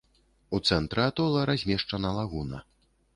У цэнтры атола размешчана лагуна.